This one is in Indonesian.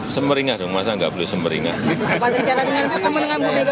semeringan masa nggak boleh semeringan